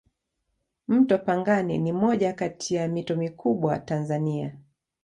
mto pangani ni moja Kati ya mito mikubwa tanzania